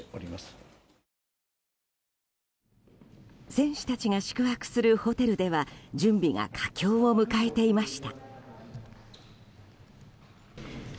選手たちが宿泊するホテルでは準備が佳境を迎えていました。